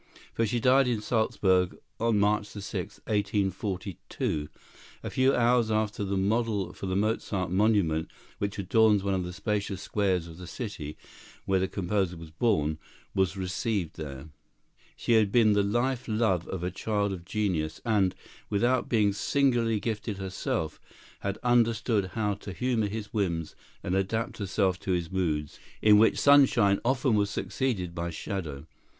For she died in Salzburg, on March 6, 1842, a few hours after the model for the Mozart monument, which adorns one of the spacious squares of the city where the composer was born, was received there. She had been the life love of a child of genius and, without being singularly gifted herself, had understood how to humor his whims and adapt herself to his moods in which sunshine often was succeeded by shadow.